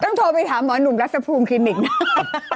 ต้องโทรไปถามหมอนุ่มรัฐสภูมิคลินิกส์นะ